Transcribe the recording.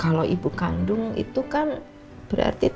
kalau ibu kandung itu kan berarti tidak